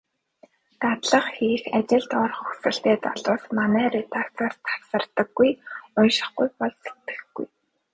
Дадлага хийх, ажилд орох хүсэлтэй залуус манай редакцаас тасардаггүй. УНШИХГҮЙ БОЛ СЭТГЭХГҮЙ.